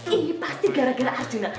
ini pasti gara gara arjuna